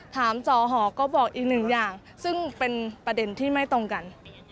จอหอก็บอกอีกหนึ่งอย่างซึ่งเป็นประเด็นที่ไม่ตรงกัน